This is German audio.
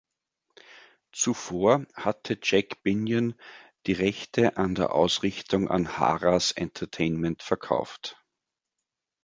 Zuvor hatte Jack Binion die Rechte an der Ausrichtung an "Harrah’s Entertainment" verkauft.